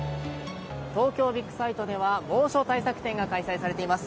東京ビッグサイトでは猛暑対策展が開催されています。